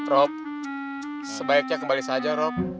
rob sebaiknya kembali saja rob